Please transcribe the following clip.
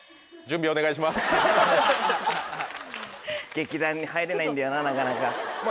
劇団に入れないんだよななかなか。